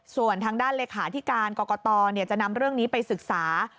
ส่วนทางด้านเลขาธิการกรกตจะนำเรื่องนี้ไปศึกษา